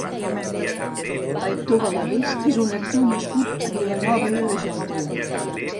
Aitor Valadés és un actor nascut a Vilanova i la Geltrú.